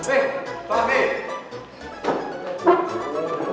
eh pak fi